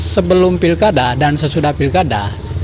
sebelum pilkada dan sesudah pilkada